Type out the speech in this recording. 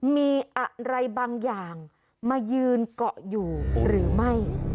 มีอะไรบางอย่างมายืนเกาะอยู่หรือไม่